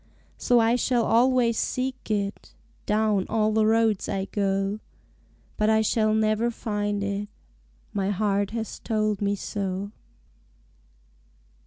So I shall always seek it Down all the roads I go, But I shall never find it; My heart has told me so.